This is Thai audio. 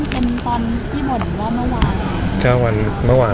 ภาษาสนิทยาลัยสุดท้าย